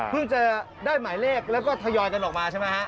จะได้หมายเลขแล้วก็ทยอยกันออกมาใช่ไหมฮะ